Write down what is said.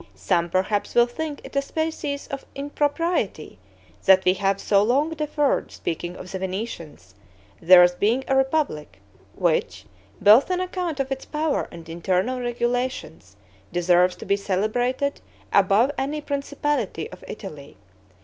Some, perhaps, will think it a species of impropriety that we have so long deferred speaking of the Venetians, theirs being a republic, which, both on account of its power and internal regulations, deserves to be celebrated above any principality of Italy.